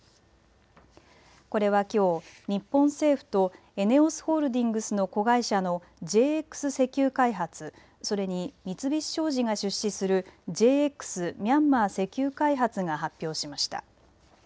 これはきょう、日本政府とＥＮＥＯＳホールディングスの子会社のＪＸ石油開発、それに三菱商事が出資するＪＸミャンマー石油開発が発表しました。